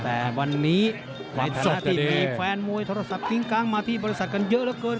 แต่วันนี้ในธนาธิบดีแฟนมวยโทรศัพท์กิ้งกังมาที่บริษัทกันเยอะเยอะเกิน